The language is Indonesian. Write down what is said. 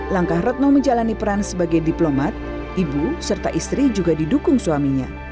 langkah retno menjalani peran sebagai diplomat ibu serta istri juga didukung suaminya